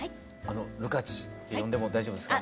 るかちって呼んでも大丈夫ですか？